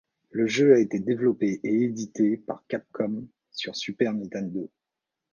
Le jeu a été développé et édité par Capcom sur Super Nintendo.